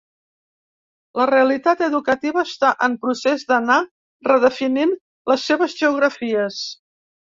La realitat educativa està en procés d’anar redefinint les seves geografies.